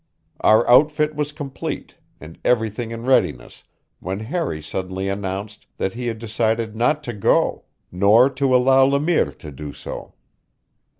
Our outfit was complete, and everything in readiness, when Harry suddenly announced that he had decided not to go, nor to allow Le Mire to do so.